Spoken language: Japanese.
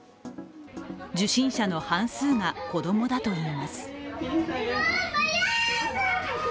受診者の半数が子供だといいます。